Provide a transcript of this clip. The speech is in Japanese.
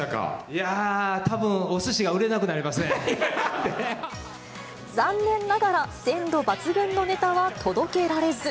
いやー、たぶんおすしが売れ残念ながら、鮮度抜群のネタは届けられず。